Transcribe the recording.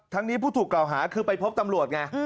นี้ผู้ถูกกล่าวหาคือไปพบตำรวจไง